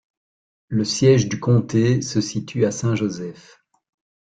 Le siège du comté se situe à Saint Joseph.